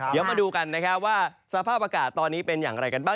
เดี๋ยวมาดูกันนะครับว่าสภาพอากาศตอนนี้เป็นอย่างไรกันบ้าง